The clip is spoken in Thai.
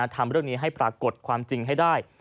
ทำเรื่องนี้ให้ปรากฏความจริงให้ได้